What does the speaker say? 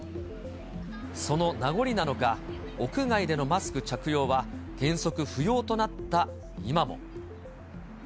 その名残なのか、屋外でのマスク着用は原則不要となった今も。